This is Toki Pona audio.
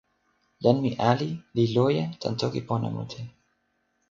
len mi ali li loje tan toki pona mute.